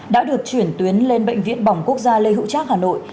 đã được chuyển tuyến lên bệnh viện bỏng quốc gia lê hữu trác hà nội